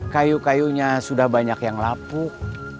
kayu kayunya sudah banyak yang lapuk